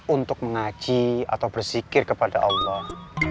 untuk mengaji atau bersikir kepada allah